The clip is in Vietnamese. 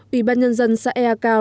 ủy ban nhân dân xã ea cao